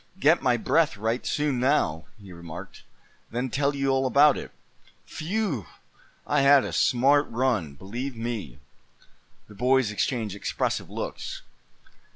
"Get my breath right soon now," he remarked; "then tell you all about it. Phew! I had a smart run, believe me!" The boys exchanged expressive looks.